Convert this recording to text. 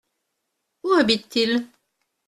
Où habite-t-il ?